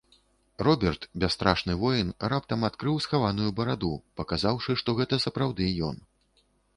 Роберт, бясстрашны воін, раптам адкрыў схаваную бараду, паказаўшы, што гэта сапраўды ён.